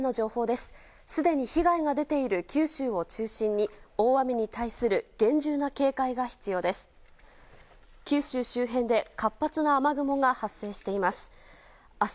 すでに被害が出ている九州を中心に大雨に対する厳重な警戒が必要です。